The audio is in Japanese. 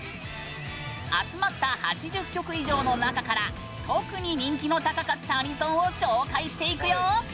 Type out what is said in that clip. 集まった８０曲以上の中から特に人気の高かったアニソンを紹介していくよ。